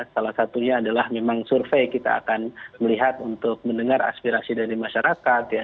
salah satunya adalah memang survei kita akan melihat untuk mendengar aspirasi dari masyarakat ya